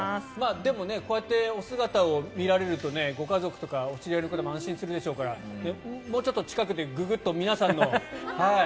でも、こうやってお姿を見られるとご家族とかお知り合いの方も安心するでしょうからもうちょっと近くでググッと皆さんの。